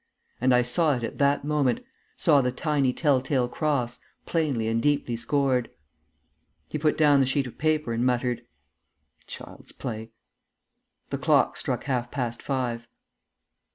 And I saw it at that moment, saw the tiny tell tale cross, plainly and deeply scored. He put down the sheet of paper and muttered: "Child's play!" The clock struck half past five.